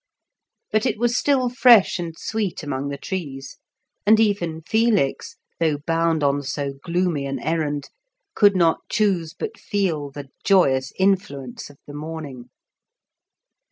But it was still fresh and sweet among the trees, and even Felix, though bound on so gloomy an errand, could not choose but feel the joyous influence of the morning.